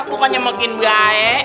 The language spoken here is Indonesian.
bukannya makin baik